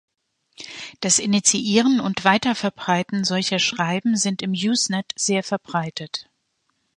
Das Initiieren und Weiterverbreiten solcher Schreiben sind im Usenet sehr verbreitet.